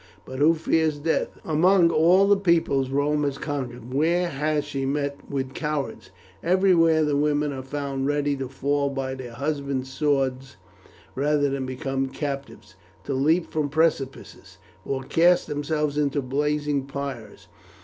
But who fears death? Among all the peoples Rome has conquered where has she met with cowards? Everywhere the women are found ready to fall by their husbands' swords rather than become captives; to leap from precipices, or cast themselves into blazing pyres.